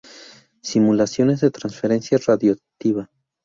Simulaciones de transferencia radioactiva.